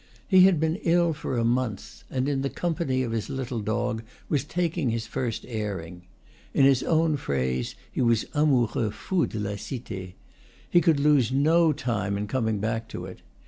He had been ill for a month, and in the company of his little dog was taking his first airing; in his own phrase he was amoureux fou de la Cite, he could lose no time in coming back to it.